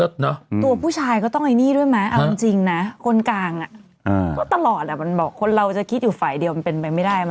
ตัวผู้ชายก็ต้องไอ้นี่ด้วยไหมเอาจริงนะคนกลางก็ตลอดมันบอกคนเราจะคิดอยู่ฝ่ายเดียวมันเป็นไปไม่ได้